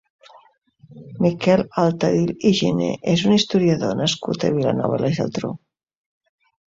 Miquel Altadill i Giner és un historiador nascut a Vilanova i la Geltrú.